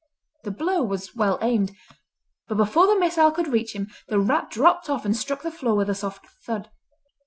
The blow was well aimed, but before the missile could reach him the rat dropped off and struck the floor with a soft thud.